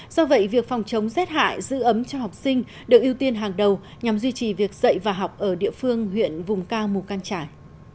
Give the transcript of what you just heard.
do vậy việc phòng chống rét hại giữ ấm cho học sinh được ưu tiên hàng đầu nhằm duy trì việc dạy và học ở địa phương huyện vùng cao mù căng trải